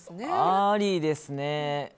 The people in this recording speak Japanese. ありですね。